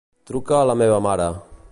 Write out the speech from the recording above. Truca a la meva mare.